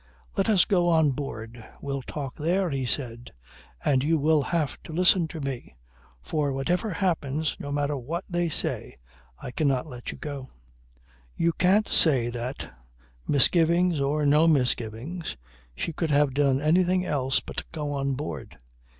"Let us go on board. We'll talk there," he said. "And you will have to listen to me. For whatever happens, no matter what they say, I cannot let you go." You can't say that (misgivings or no misgivings) she could have done anything else but go on board.